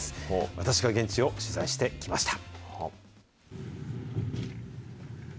私が現地を取材してきました。